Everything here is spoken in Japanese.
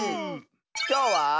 きょうは。